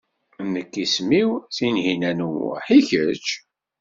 Nekk isem-iw Tinhinan u Muḥ, i kečč?